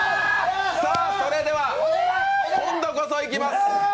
それでは、今度こそいきます。